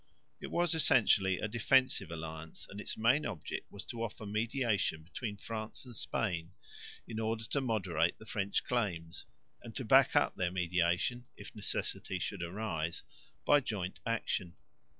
It was essentially a defensive alliance, and its main object was to offer mediation between France and Spain in order to moderate the French claims and to back up their mediation, if necessity should arise, by joint action.